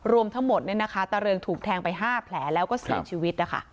รวมทั้งหมดเนี้ยนะคะตาเรืองถูกแทงไปห้าแผลแล้วก็เสียชีวิตนะคะ